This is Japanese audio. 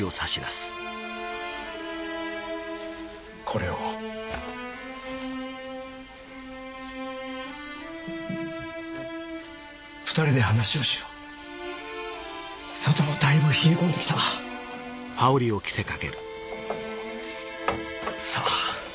これを２人で話をしよう外もだいぶ冷え込んできたさぁ